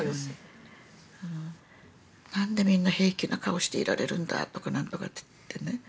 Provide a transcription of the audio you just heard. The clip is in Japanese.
「何でみんな平気な顔していられるんだ」とか何とかってね